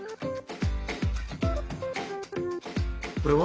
これは？